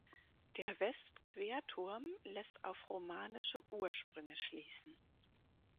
Der Westquerturm lässt auf romanische Ursprünge schließen.